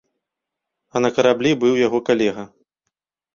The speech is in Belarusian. А на караблі быў яго калега.